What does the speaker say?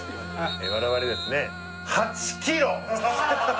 我々ですね８ｋｍ！